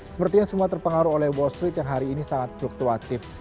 sepertinya semua terpengaruh oleh wall street yang hari ini sangat fluktuatif